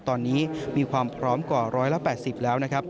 ตอนนี้มีความพร้อมกว่า๑๘๐แล้วนะครับ